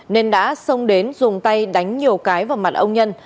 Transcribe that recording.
nên đã xông đến dùng tay đánh nhiều cái vào mặt ông nhân